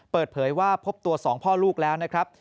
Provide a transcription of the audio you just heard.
เปิดเผยว่าพบตัว๒พ่อลูกแล้วนะครับ